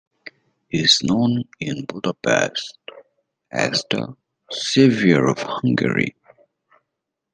He is known in Budapest as the "Saviour of Hungary".